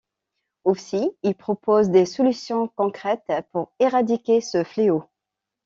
Aussi, il propose des solutions concrètes pour éradiquer ce fléau.